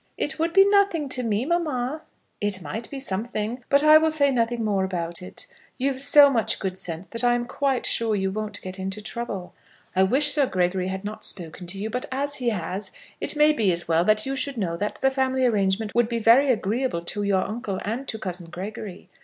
"It would be nothing to me, mamma." "It might be something. But I will say nothing more about it. You've so much good sense that I am quite sure you won't get into trouble. I wish Sir Gregory had not spoken to you; but as he has, it may be as well that you should know that the family arrangement would be very agreeable to your uncle and to cousin Gregory.